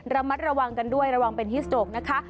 ระมัดระวังกันด้วยระวังเป็นฮิสโตรกนะคะ